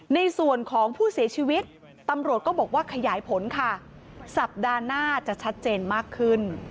ในส่วนของผู้เสียชีวิตตำรวจก็บอกว่าขยายผลค่ะสัปดาห์หน้าจะชัดเจนมากขึ้น